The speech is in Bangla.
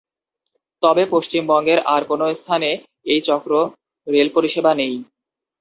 তবে, পশ্চিমবঙ্গের আর অন্য কোনও স্থানে এই চক্র রেল পরিষেবা নেই।